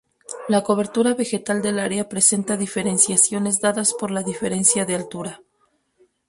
La cobertura vegetal del área presenta diferenciaciones dadas por la diferencia de altura.